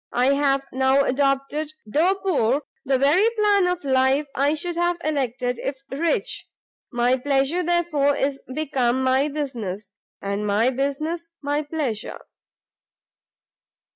I have now adopted, though poor, the very plan of life I should have elected if rich; my pleasure, therefore, is become my business, and my business my pleasure."